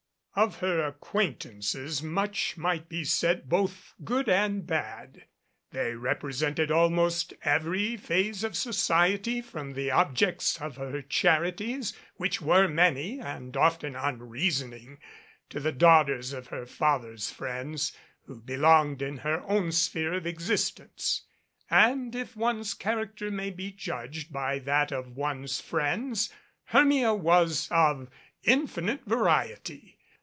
Of her acquaintances much might be said, both good and bad. They represented almost every phase of so ciety from the objects of her charities (which were many and often unreasoning) to the daughters of her father's friends who belonged in her own sphere of existence. And if one's character may be judged by that of one's friends, 4 Hermia was of infinite variety.